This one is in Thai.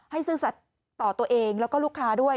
ซื่อสัตว์ต่อตัวเองแล้วก็ลูกค้าด้วย